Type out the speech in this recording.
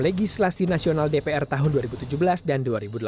legislasi nasional dpr tahun dua ribu tujuh belas dan dua ribu delapan belas